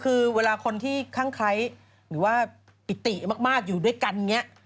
คือเวลาคนที่ข้างไคร้หรือว่าปิติมากอยู่ด้วยกันอย่างนี้